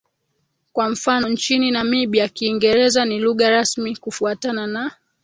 Kwa mfano nchini Namibia Kiingereza ni lugha rasmi kufuatana na